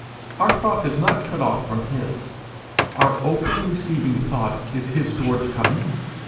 Our thought is not cut off from his. Our open receiving thought is his door to come in.